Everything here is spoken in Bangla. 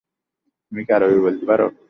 তুমি কি আরবি বলতে পারো?